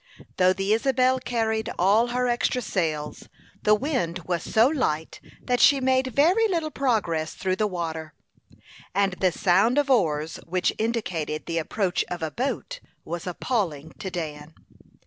Though the Isabel carried all her extra sails, the wind was so light that she made very little progress through the water, and the sound of oars which indicated the approach of a boat was appalling to Dan.